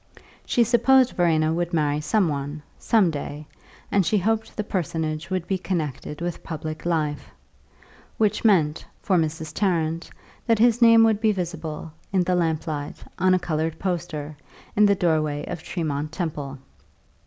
She supposed Verena would marry some one, some day, and she hoped the personage would be connected with public life which meant, for Mrs. Tarrant, that his name would be visible, in the lamp light, on a coloured poster, in the doorway of Tremont Temple.